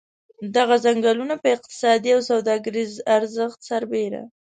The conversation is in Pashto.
دغه څنګلونه په اقتصادي او سوداګریز ارزښت سربېره.